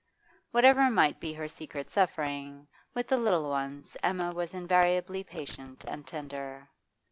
Whatever might be her secret suffering, with the little ones Emma was invariably patient and tender.